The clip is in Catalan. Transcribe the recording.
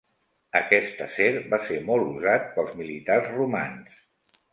Aquest acer va ser molt usat pels militars romans.